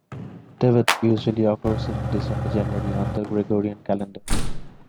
Tevet usually occurs in December-January on the Gregorian calendar.